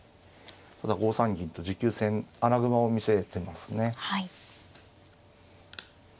５三銀と持久戦穴熊を見据えてますね。